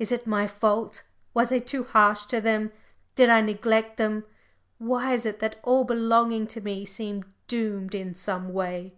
Is it my fault? Was I too harsh to them? Did I neglect them? Why is it that all belonging to me seem doomed in some way?"